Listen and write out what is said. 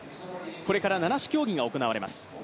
これから七種競技が行われます。